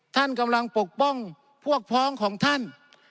ท่านกำลังปกป้องพวกพ้องของท่าน